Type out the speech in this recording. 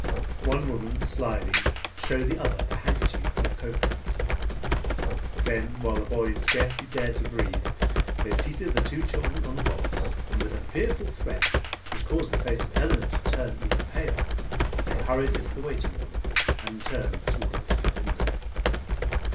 One woman slyly, showed the other a handkerchief full of kopeks. Then while the boys scarcely dared to breathe, they seated the two children on the box, and with a fearful threat which caused the face of Elinor to turn even paler, they hurried into the waiting room, and turned towards the ticket window.